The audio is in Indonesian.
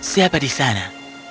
siapa di sana